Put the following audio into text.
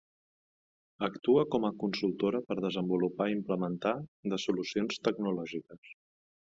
Actua com a consultora per desenvolupar i implementar de solucions tecnològiques.